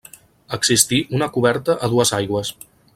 Existí una coberta a dues aigües.